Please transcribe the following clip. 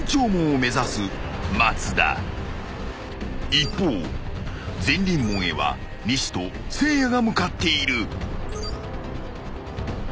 ［一方善隣門へは西とせいやが向かっている］